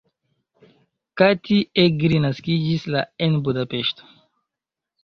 Kati Egri naskiĝis la en Budapeŝto.